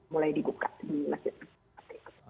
mulai dibuka di masjid